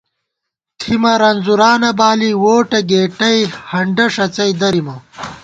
تِھمہ رنځُورانہ بالی ووٹہ گېٹَئ ہنڈہ ݭڅَئ دَرِمہ